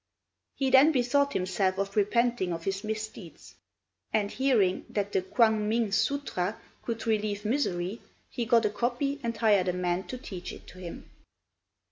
He then bethought himself of repenting of his misdeeds, and hearing that the Kuang ming sutra could relieve misery, he got a copy and hired a man to teach it to him.